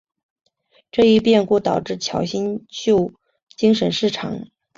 这一变故导致乔清秀精神失常。